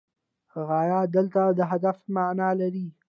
غایه دلته د هدف معنی لري.